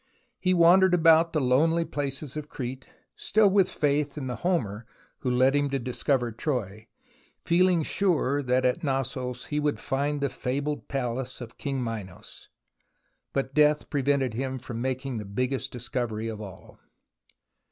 He wandered about the lonely places of Crete, still with faith in the Homer who led him to dis cover Troy, feeling sure that at Knossos he would find the fabled palace of King Minos, but death prevented him from making the biggest discovery of all.